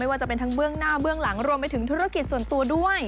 ว่าจะเป็นทั้งเบื้องหน้าเบื้องหลังรวมไปถึงธุรกิจส่วนตัวด้วย